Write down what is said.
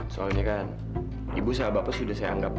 soalnya kan ibu sama bapak sudah saya anggap